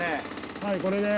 はいこれね。